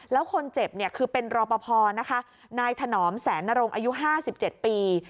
แล้วคนเจ็บคือเป็นรพนายถนอมแสนนรงอายุ๕๗ปี